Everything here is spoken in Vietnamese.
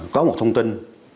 có một thông tin